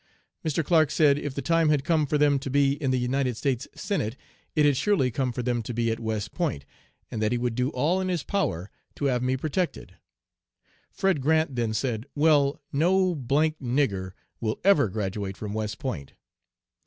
Mr. Clark said if the time had come for them to be in the United States Senate, it had surely come for them to be at West Point, and that he would do all in his power to have me protected. Fred Grant then said: 'Well, no d d nigger will ever graduate from West Point.'